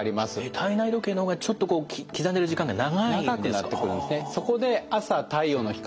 体内時計の方がちょっとこう刻んでる時間が長いんですか。